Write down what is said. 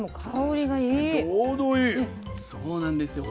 そうなんですよ。